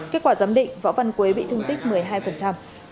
kết quả giám định võ văn quế bị thương tích một mươi hai